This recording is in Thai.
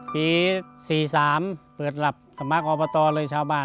ปี๔๓เปิดหลับสมัครอบตเลยชาวบ้าน